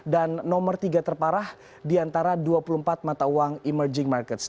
dan nomor tiga terparah di antara dua puluh empat mata uang emerging markets